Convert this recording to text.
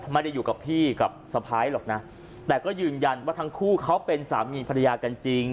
ไม่ได้อยู่กับพี่กับสะพ้ายหรอกนะแต่ก็ยืนยันว่าทั้งคู่เขาเป็นสามีภรรยากันจริง